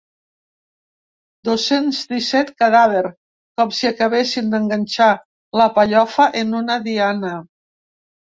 Dos-cents disset cadàver, com si acabessin d'enganxar la pellofa en una diana.